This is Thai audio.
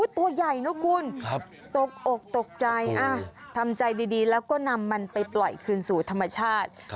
ตัวใหญ่นะคุณตกอกตกใจทำใจดีแล้วก็นำมันไปปล่อยคืนสู่ธรรมชาติ